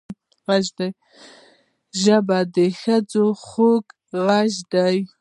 ژبه د ښځې خوږ غږ دی